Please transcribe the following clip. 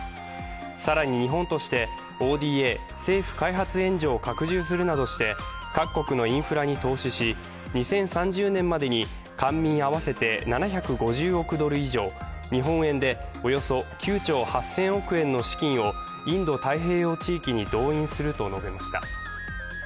更に日本としてＯＤＡ＝政府開発援助を拡充するなどして各国のインフラに投資し２０３０年までに官民合わせて７５０億ドル以上、日本円でおよそ９兆８０００億円の資金をインド太平洋地域に動員すると述べました。